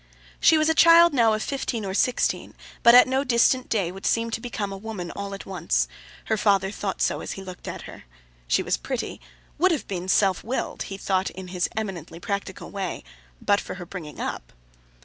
She was a child now, of fifteen or sixteen; but at no distant day would seem to become a woman all at once. Her father thought so as he looked at her. She was pretty. Would have been self willed (he thought in his eminently practical way) but for her bringing up.